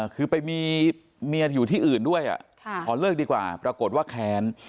คือไปมีเมียอยู่ที่อื่นด้วยขอเลิกดีกว่าปรากฏว่าแค้น